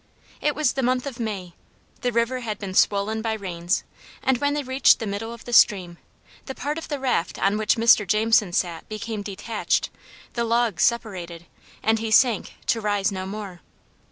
It was the month of May; the river had been swollen by rains, and when they reached the middle of the stream, the part of the raft on which Mr. Jameson sat became detached, the logs separated, and he sank to rise no more.